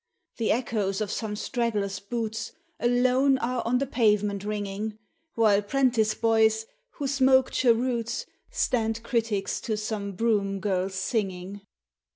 The echoes of some straggler's boots Alone are on the pavement ringing While 'prentice boys, who smoke cheroots, Stand critics to some broom girl's singing.